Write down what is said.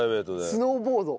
スノーボード。